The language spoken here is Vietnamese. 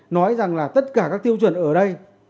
nói rằng là tất cả các tiêu chuẩn ở đây